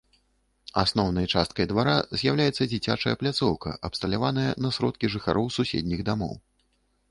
Асноўнай часткай двара з'яўляецца дзіцячая пляцоўка, абсталяваная на сродкі жыхароў суседніх дамоў.